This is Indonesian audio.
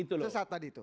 tersesat tadi itu